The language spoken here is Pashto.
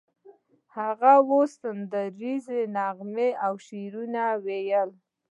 هغه اوس سندریزې نغمې او شعرونه ویل